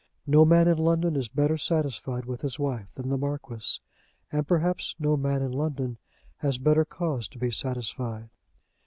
No man in London is better satisfied with his wife than the Marquis, and perhaps no man in London has better cause to be satisfied.